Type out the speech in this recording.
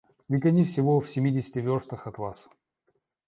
Ведь они всего в семидесяти верстах от вас.